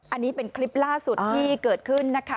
อันนี้เป็นคลิปล่าสุดที่เกิดขึ้นนะคะ